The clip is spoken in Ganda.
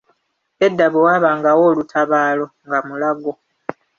Edda bwe waabangawo olutabaalo nga Mulago.